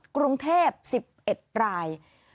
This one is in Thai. กรุงเทพ๑๑ราย